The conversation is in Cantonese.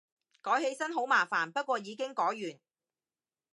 改起身好麻煩，不過已經改完